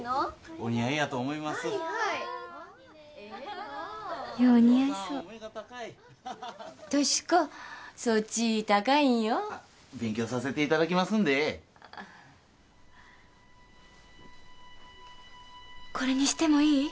お似合いやと思いますよう似合いそう俊子そっち高いんよ・勉強させていただきますんでこれにしてもいい？